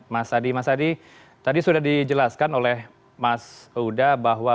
mas adi mas adi tadi sudah dijelaskan oleh mas huda bahwa